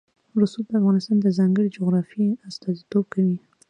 رسوب د افغانستان د ځانګړي ډول جغرافیه استازیتوب کوي.